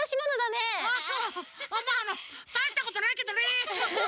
まああのたいしたことないけどね。